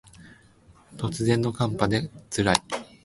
突然の寒波で辛い